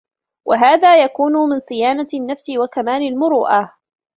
وَهَذَا يَكُونُ مِنْ صِيَانَةِ النَّفْسِ وَكَمَالِ الْمُرُوءَةِ